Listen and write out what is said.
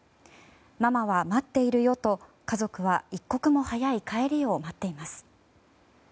ママは待っているよと家族は一刻も早い帰りを待っています。